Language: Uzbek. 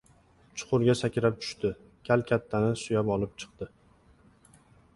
Chuqurga sakrab tushdi. Kal kattani suyab olib chiqdi.